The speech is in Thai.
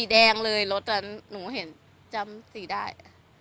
แดงเลยรถหนูเห็นจำสีได้